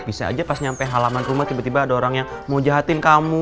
bisa aja pas nyampe halaman rumah tiba tiba ada orang yang mau jahatin kamu